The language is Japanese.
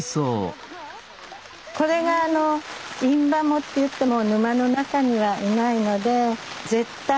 これがあのインバモってゆってもう沼の中にはいないので絶対